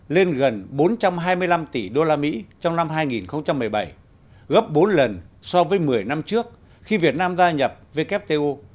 lên gần bốn trăm hai mươi năm tỷ usd trong năm hai nghìn một mươi bảy gấp bốn lần so với một mươi năm trước khi việt nam gia nhập wto